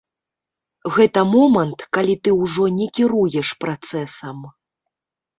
Гэта момант, калі ты ўжо не кіруеш працэсам.